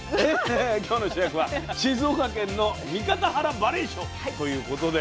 今日の主役は静岡県の三方原ばれいしょということで。